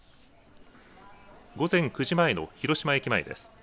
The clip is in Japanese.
午前９時前の広島駅前です。